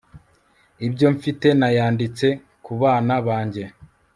ibyo mfite nayanditse kubana bange